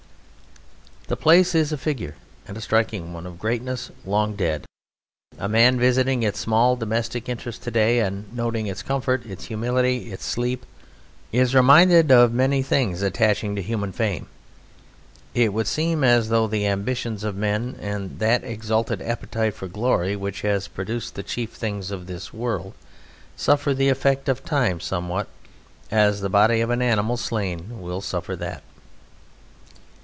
The place is a figure, and a striking one, of greatness long dead, and a man visiting its small domestic interests to day, and noting its comfort, its humility, and its sleep, is reminded of many things attaching to human fame. It would seem as though the ambitions of men, and that exalted appetite for glory which has produced the chief things of this world, suffer the effect of time somewhat as the body of an animal slain will suffer that.